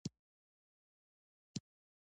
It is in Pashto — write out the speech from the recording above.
عدالت او انصاف د ټولنې د نظم او ارامۍ ضامن دی.